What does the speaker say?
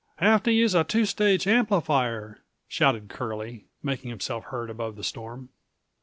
"Have to use a two stage amplifier," shouted Curlie, making himself heard above the storm.